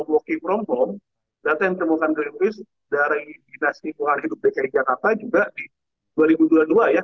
kalau working from home data yang ditemukan greenpeace dari dki jakarta juga di dua ribu dua puluh dua ya